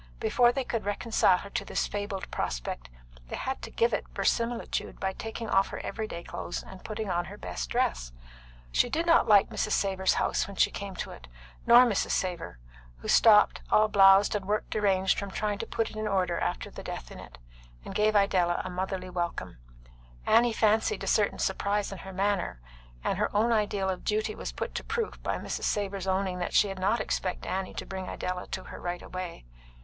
Before they could reconcile her to this fabled prospect they had to give it verisimilitude by taking off her everyday clothes and putting on her best dress. She did not like Mrs. Savor's house when she came to it, nor Mrs. Savor, who stopped, all blowzed and work deranged from trying to put it in order after the death in it, and gave Idella a motherly welcome. Annie fancied a certain surprise in her manner, and her own ideal of duty was put to proof by Mrs. Savor's owning that she had not expected Annie to bring Idella to her right away.